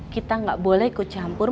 kita ga boleh kecampur